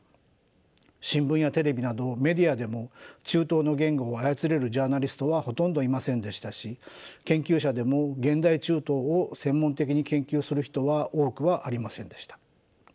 新聞やテレビなどメディアでも中東の言語を操れるジャーナリストはほとんどいませんでしたし研究者でも現代中東を専門的に研究する人は多くはありませんでした。